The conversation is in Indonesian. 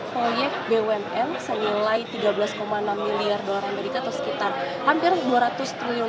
proyek bumn senilai tiga belas enam miliar dolar amerika atau sekitar hampir dua ratus triliun